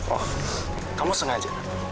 oh kamu sengaja